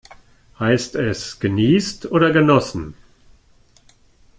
Heißt es geniest oder genossen?